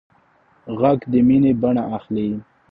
غږ د مینې بڼه اخلي